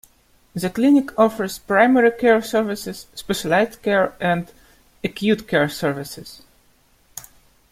The clinic offers primary care services, specialized care, and acute care services.